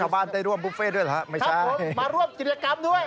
มาร่วมกิจกรรมด้วย